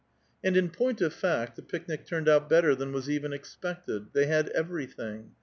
And, in point of fact, the picnic turned out better than y^s even expected. They had everything.